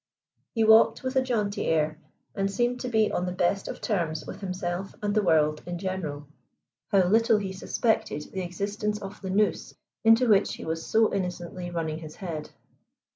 He walked with a jaunty air, and seemed to be on the best of terms with himself and the world in general. How little he suspected the existence of the noose into which he was so innocently running his head!